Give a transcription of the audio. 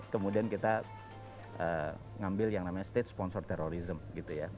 kemudian kita ngambil yang namanya state sponsor terrorism gitu ya